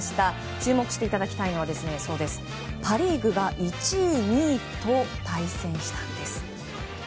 注目していただきたいのはパ・リーグが１位２位と対戦。